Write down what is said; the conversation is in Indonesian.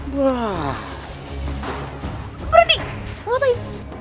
berani mau ngapain